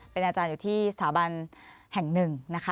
เป็นอาจารย์อยู่ที่สถาบันแห่งหนึ่งนะคะ